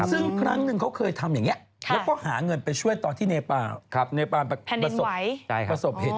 สิ่งหนึ่งเขาเคยทำอย่างนี้